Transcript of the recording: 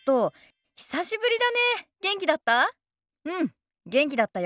うん元気だったよ。